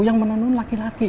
yang menenun laki laki